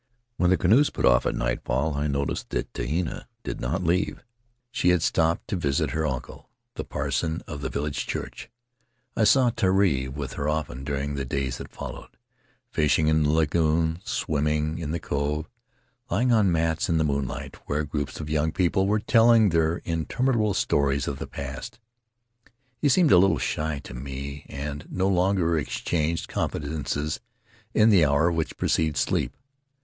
"When the canoes put off at nightfall I noticed that Tehina did not leave; she had stopped to visit her uncle, the parson of the village church. I saw Terii with her often during the days that followed — fishing on the lagoon, swimming in the cove, lying on mats in the moonlight where groups of young people were telling their interminable stories of the past. He seemed a little shy of me, and no longer exchanged confidences in the hour which precedes sleep.